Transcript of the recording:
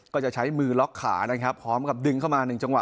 ก็จะใช้มือล็อกขานะครับพร้อมกับดึงเข้ามาหนึ่งจังหว